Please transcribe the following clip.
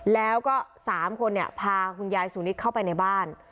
แล้วก็๓คนเนี่ยพาคุณยายสุนิทเข้าไปในบ้าน